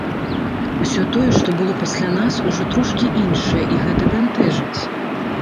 Усё тое, што было пасля нас, ужо трошкі іншае, і гэта бянтэжыць.